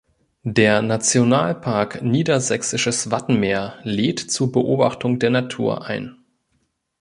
Der "Nationalpark Niedersächsisches Wattenmeer" lädt zur Beobachtung der Natur ein.